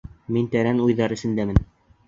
Мин тәрән уйҙар эсендәмен.